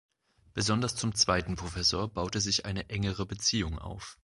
Besonders zum zweiten Professor baute sich eine engere Beziehung auf.